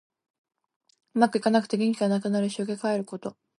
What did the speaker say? うまくいかなくて元気がなくなる。しょげかえること。